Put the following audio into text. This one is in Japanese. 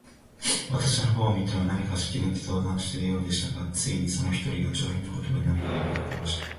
私の方を見ては、何かしきりに相談しているようでしたが、ついに、その一人が、上品な言葉で、何か呼びかけました。